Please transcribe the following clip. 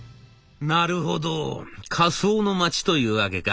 「なるほど仮想の街というわけか。